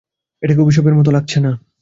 এটাকে অভিশাপের মতো লাগছে না।